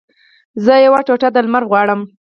زه یوه ټوټه د لمر غواړم